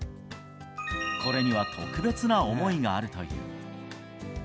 これには特別な思いがあるという。